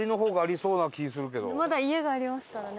まだ家がありますからね。